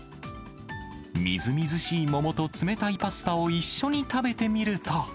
みずみずしい桃と冷たいパスタを一緒に食べてみると。